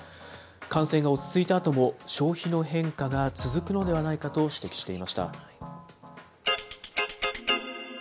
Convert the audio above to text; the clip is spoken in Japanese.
感染が落ち着いたあとも、消費の変化が続くのではないかと指摘していました。